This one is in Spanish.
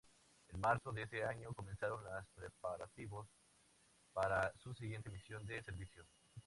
En marzo de ese año comenzaron los preparativos para su siguiente misión de servicio.